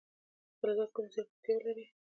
فلزات کومې ځانګړتیاوې لري.